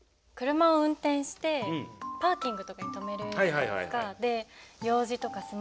車を運転してパーキングとかに止めるじゃないですか。